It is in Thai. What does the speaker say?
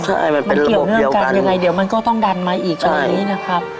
เดี๋ยวมันก็ต้องดันมาอีกอย่างนี้นะครับ